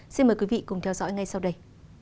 xin mời quý vị cùng theo dõi ngay sau đây